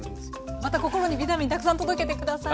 また心にビタミンたくさん届けて下さい。